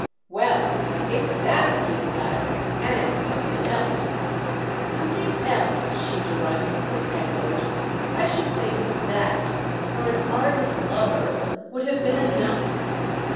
"Well, it's that," he allowed—"and something else." "Something else?" she derisively echoed. "I should think 'that,' for an ardent lover, would have been enough."